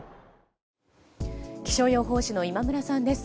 気象予報士の今村さんです。